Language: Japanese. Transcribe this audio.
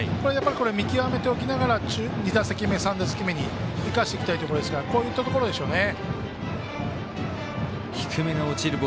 見極めておきながら、２打席目３打席目に生かしていきたいところですがこういうところでしょうね。